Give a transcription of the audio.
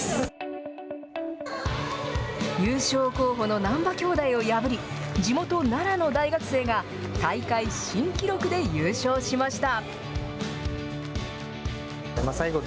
優勝候補の難波兄弟を破り、地元、奈良の大学生が大会新記録で優勝しました。